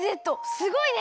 すごいね。